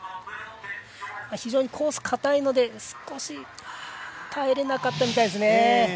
非常にコース硬いので少し耐えれなかったようですね。